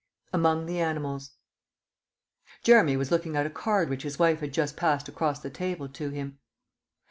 AMONG THE ANIMALS Jeremy was looking at a card which his wife had just passed across the table to him.